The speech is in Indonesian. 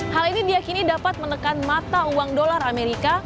hal ini diakini dapat menekan mata uang dolar amerika